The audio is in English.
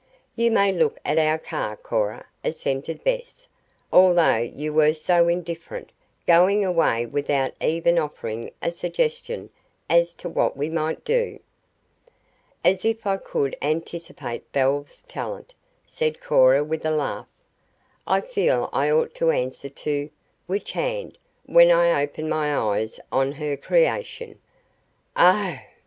"You may look at our car, Cora," assented Bess, "although you were so indifferent, going away without even offering a suggestion as to what we might do." "As if I could anticipate Belle's talent," said Cora with a laugh. "I feel I ought to answer to 'which hand' when I open my eyes on her creation." "Oh h h h!"